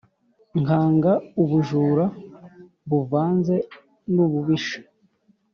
nkanga ubujura buvanze n’ububisha.